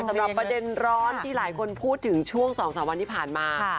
สำหรับประเด็นร้อนที่หลายคนพูดถึงช่วง๒๓วันที่ผ่านมา